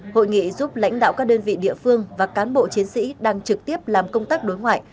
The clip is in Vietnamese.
hội nghị giúp lãnh đạo các đơn vị địa phương và cán bộ chiến sĩ đang trực tiếp làm công tác đối ngoại